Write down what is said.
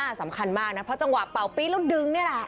สำคัญมากนะเพราะจังหวะเป่าปี๊ดแล้วดึงนี่แหละ